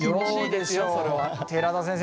寺田先生